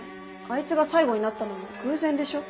あいつが最後になったのも偶然でしょ。